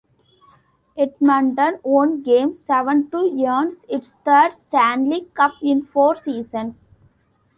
Edmonton won game seven to earn its third Stanley Cup in four seasons.